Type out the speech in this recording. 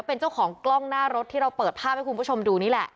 เป็นเจ้าของกล้องหน้ารถที่เราเปิดภาพให้คุณผู้ชมดูนี่แหละ